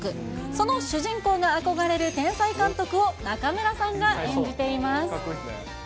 その主人公が憧れる天才監督を、中村さんが演じています。